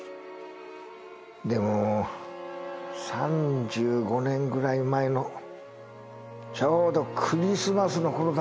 でも３５年ぐらい前のちょうどクリスマスのころだった。